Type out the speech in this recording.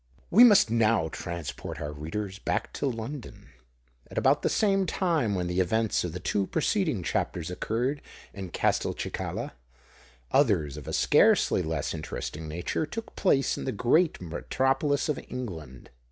We must now transport our readers back to London. At about the same time when the events of the two preceding chapters occurred in Castelcicala, others of a scarcely less interesting nature took place in the great metropolis of England.